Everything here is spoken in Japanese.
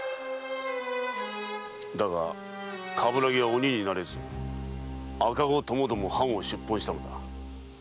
だが鏑木は鬼になれず赤子ともども藩を出奔したのだ。